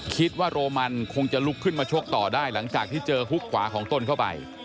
คิดว่าโรมันคงจะลุกขึ้นมาชกต่อได้หลังจากที่เจอฮุกขวาของต้นเข้าไป